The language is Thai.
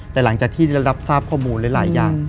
แต่หลังจากที่ได้รับทราบข้อมูลหลายอย่าง